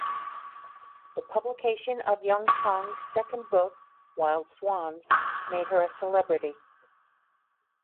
The publication of Jung Chang's second book "Wild Swans" made her a celebrity.